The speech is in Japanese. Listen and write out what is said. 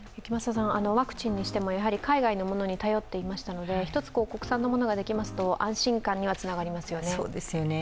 ワクチンにしても、海外のものに頼っていましたので、一つ国産のものができますと安心感にはつながりますよね。